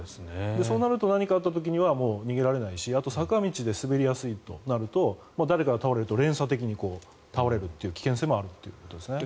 そうなると何かあった時にはもう逃げられないしあと、坂道で滑りやすいとなると誰かが倒れると連鎖的に倒れるという危険性もあるということですね。